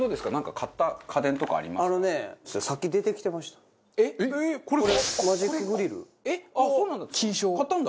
買ったんだ。